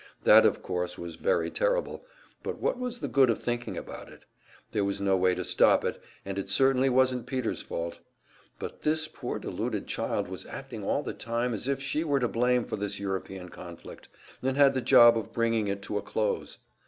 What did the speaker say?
That, of course, was, very terrible, but what was the good of thinking about it? There was no way to stop it, and it certainly wasn't Peter's fault. But this poor, deluded child was acting all the time as if she were to blame for this European conflict, and had the job of bringing it to a close.